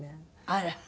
あら！